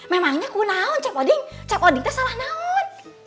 memangnya aku naon cep odin cep odin tuh salah naon